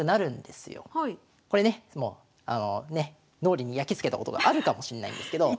これねもうあのね脳裏にやきつけたことがあるかもしれないんですけど。